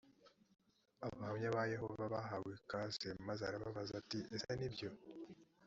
abahamya ba yehova bahawe ikaze maze arababaza ati ese nibyo